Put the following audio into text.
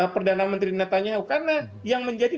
perdana menteri netanyahu karena yang menjadi